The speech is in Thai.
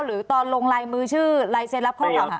หรือตอนลงลายมือชื่อลายเซ็นรับข้อเก่าหา